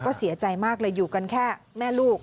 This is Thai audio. ก็เสียใจมากเลยอยู่กันแค่แม่ลูก